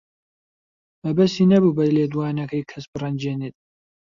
مەبەستی نەبوو بە لێدوانەکەی کەس بڕەنجێنێت.